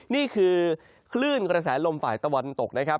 นี่คือคลื่นกระแสลมฝ่ายตะวันตกนะครับ